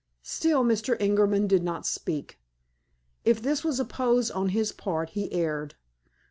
Still Mr. Ingerman did not speak. If this was a pose on his part, he erred.